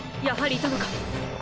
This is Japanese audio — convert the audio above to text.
やはりいたのか。